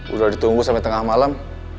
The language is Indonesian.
udah ditunggu sampai tengah malam